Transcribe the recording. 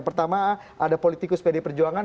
pertama ada politikus pd perjuangan